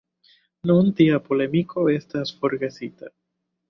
Nun tia polemiko estas forgesita.